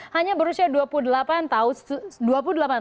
hanya berusia dua puluh delapan tahun